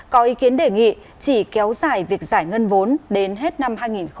có ý kiến đề nghị chỉ kéo dài việc giải ngân vốn đến hết năm hai nghìn hai mươi